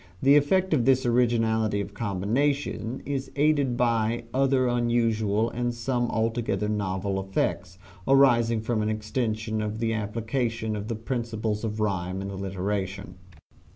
The effect of this originality of combination is aided by other unusual and some altogether novel effects, arising from an extension of the application of the principles of rhyme and alliteration.